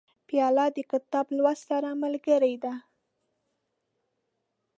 پیاله د کتاب لوست سره ملګرې ده.